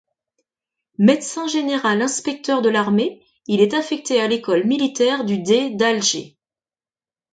Médecin général inspecteur de l'armée, il est affecté à l'École militaire du dey d'Alger.